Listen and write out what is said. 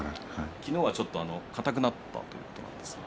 昨日は、ちょっと硬くなったということです。